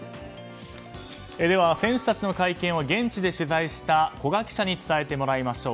選手たちの会見を現地で取材した古賀記者に伝えてもらいましょう。